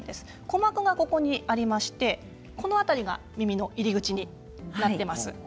鼓膜がありましてこの辺りが耳の入り口になっています。